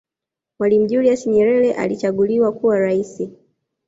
mwalimu julius yerere alichaguliwa kuwa raisi